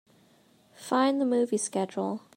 Fine the movie schedule.